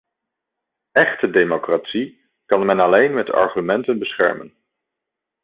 Echte democratie kan men alleen met argumenten beschermen.